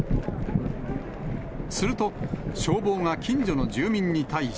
すると、消防が近所の住民に対し。